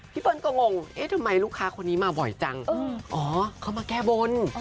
เปิ้ลก็งงเอ๊ะทำไมลูกค้าคนนี้มาบ่อยจังอ๋อเขามาแก้บน